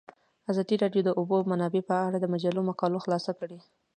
ازادي راډیو د د اوبو منابع په اړه د مجلو مقالو خلاصه کړې.